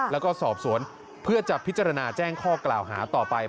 แล้วก็สอบสวนเพื่อจะพิจารณาแจ้งข้อกล่าวหาต่อไป